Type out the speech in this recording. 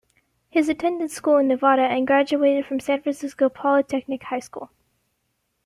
His attended school in Nevada, and graduated from San Francisco Polytechnic High School.